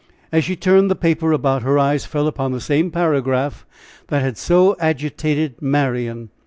As she turned the paper about, her eyes fell upon the same paragraph that had so agitated Marian.